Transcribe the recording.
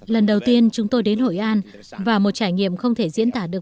lần đầu tiên chúng tôi đến hội an và một trải nghiệm không thể diễn tả được